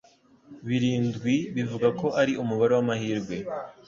Birindwi bivugwa ko ari umubare wamahirwe.